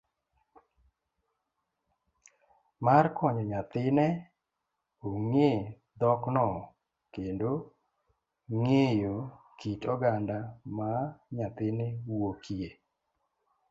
mar konyo nyathine ong'e dhokno kendo ng'eyo kit oganda ma nyathine wuokie.